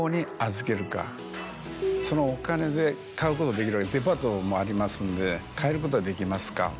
そのお金で買うことができるデパートもありますんで買えることができます。